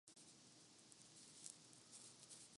الزامات جو بھی ہوں۔